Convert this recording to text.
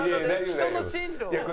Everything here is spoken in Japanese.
人の進路を。